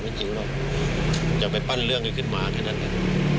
ไม่จริงหรอกจะไปปั้นเรื่องกันขึ้นมาแค่นั้นแค่นั้น